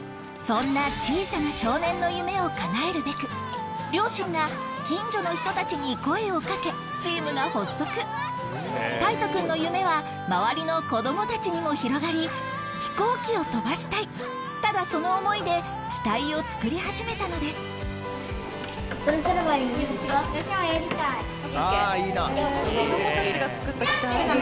そんな小さな少年の夢を叶えるべく両親が近所の人たちに声をかけチームが発足大徹くんの夢は周りの子どもたちにも広がり飛行機を飛ばしたいただその想いで機体を作り始めたのですああいいな。